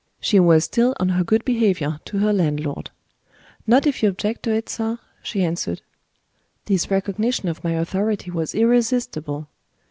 She was still on her good behavior to her landlord. "Not if you object to it, sir," she answered. This recognition of my authority was irresistible.